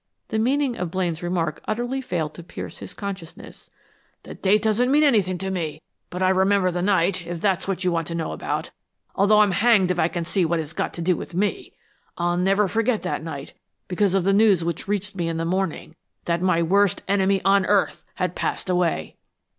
The meaning of Blaine's remark utterly failed to pierce his consciousness. "The date doesn't mean anything to me, but I remember the night, if that's what you want to know about, although I'm hanged if I can see what it's got to do with me! I'll never forget that night, because of the news which reached me in the morning, that my worst enemy on earth had passed away."